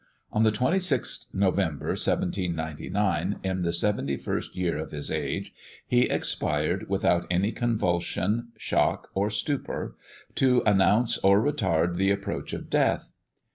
On the 26th November 1799, in the seventy first year of his age, he expired without any convulsion, shock, or stupor, to announce or retard the approach of death.